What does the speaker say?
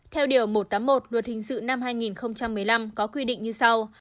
theo điều một trăm tám mươi một luật hình sự năm hai nghìn một mươi năm có quy định như sau